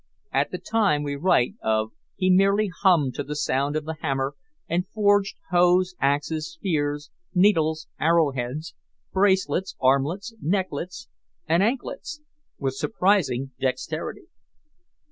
At the time we write of he merely hummed to the sound of the hammer, and forged hoes, axes, spears, needles, arrow heads, bracelets, armlets, necklets, and anklets, with surprising dexterity.